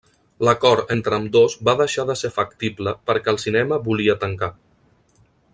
L'acord entre ambdós va deixar de ser factible perquè el cinema volia tancar.